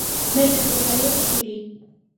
მეფე პელაიოს შვილი.